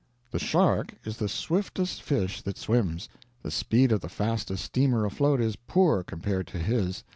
The shark is the swiftest fish that swims. The speed of the fastest steamer afloat is poor compared to his.